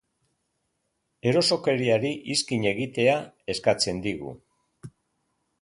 Erosokeriari izkin egitea eskatzen digu.